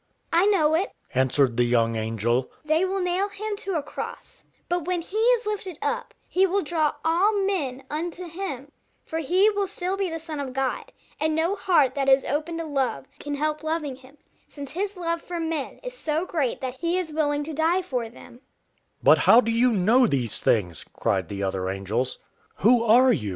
"I know it," answered the young angel, "they will nail him to a cross. But when he is lifted up, he will draw all men unto him, for he will still be the Son of God, and no heart that is open to love can help loving him, since his love for men is so great that he is willing to die for them."